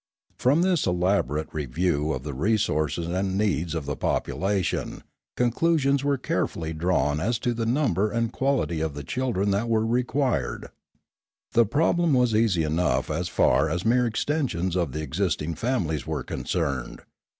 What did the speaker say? From this elaborate re view of the resources and needs of the population con clusions were carefully drawn as to the number and quality of the children that were required. The pro blem was easy enough as far as mere extensions of the existing families were concerned.